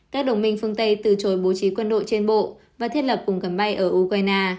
các đồng minh phương tây từ chối bố trí quân đội trên bộ và thiết lập vùng cấm bay ở ukraine